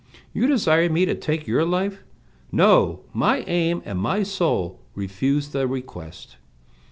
You desire me to take your life. No, my aim and my soul refuse the request."